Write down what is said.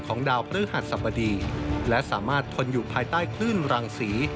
ดาวพฤหัสสบดีและสามารถทนอยู่ภายใต้คลื่นรังสี